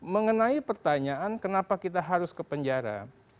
mengenai pertanyaan kenapa kita harus ke penjara